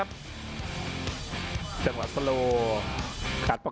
อัศวินาศาสตร์